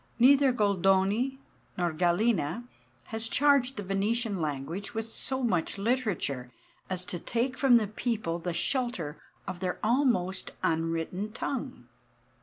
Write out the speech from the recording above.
Neither Goldoni nor Gallina has charged the Venetian language with so much literature as to take from the people the shelter of their almost unwritten tongue.